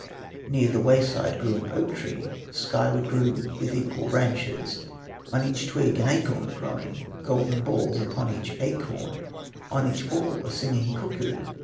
Near the way side grew an oak tree, Skyward grew with equal branches, On each twig an acorn growing, Golden balls upon each acorn, On each ball a singing cuckoo.